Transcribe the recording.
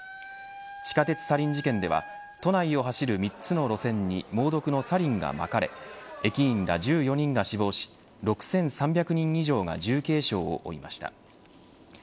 地下鉄サリン事件では都内を走る３つの路線に猛毒のサリンがまかれ駅員ら１４人が死亡し６３００人以上が重軽傷を負いました。